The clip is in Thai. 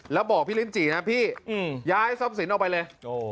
แล้วบอกพิรินจินะพี่ย้ายซอมสินออกไปเลย